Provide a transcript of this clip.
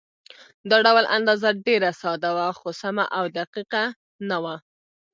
دا ډول اندازه ډېره ساده وه، خو سمه او دقیقه نه وه.